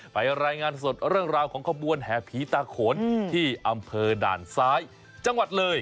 รายงานสดเรื่องราวของขบวนแห่ผีตาโขนที่อำเภอด่านซ้ายจังหวัดเลย